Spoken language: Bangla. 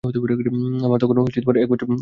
আমার তখন একবছর বয়স ছিল।